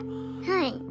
はい。